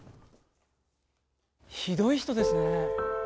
ひどい人ですね。